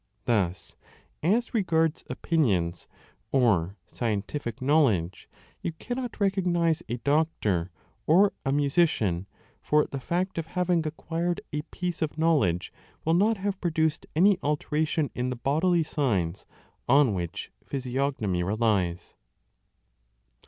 2 Thus as regards opinions or scientific knowledge, you cannot recognize a doctor or a musician, for the fact of having acquired a piece of knowledge will not have produced any alteration in the bodily signs on which physiognomy relies.